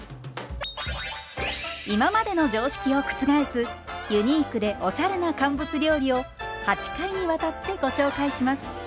今までの常識を覆すユニークでおしゃれな乾物料理を８回にわたってご紹介します。